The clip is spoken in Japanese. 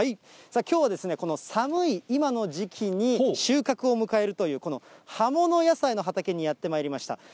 きょうはですね、この寒い今の時期に収穫を迎えるという、この葉物野菜の畑にやってまいりました。